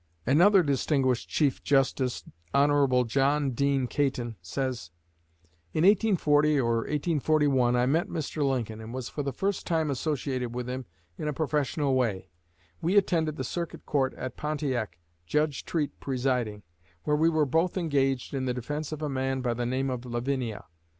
Another distinguished Chief Justice, Hon. John Dean Caton; says: "In 1840 or 1841, I met Mr. Lincoln, and was for the first time associated with him in a professional way. We attended the Circuit Court at Pontiac, Judge Treat presiding, where we were both engaged in the defense of a man by the name of Lavinia.